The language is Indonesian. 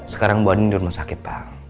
sekarang bu andin di rumah sakit pak